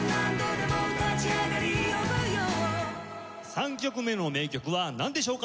３曲目の名曲はなんでしょうか？